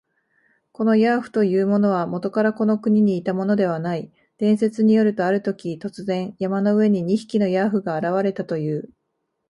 このヤーフというものは、もとからこの国にいたものではない。伝説によると、あるとき、突然、山の上に二匹のヤーフが現れたという。